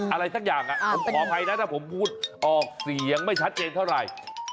อะไรสักอย่างผมขออภัยนะถ้าผมพูดออกเสียงไม่ชัดเจนเท่าไหร่